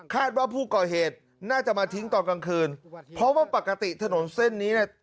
ว่าผู้ก่อเหตุน่าจะมาทิ้งตอนกลางคืนเพราะว่าปกติถนนเส้นนี้เนี่ย